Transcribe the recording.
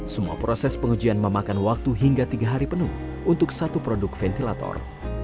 semua proses pengujian memakan waktu hingga tiga hari penuh untuk satu produk ventilator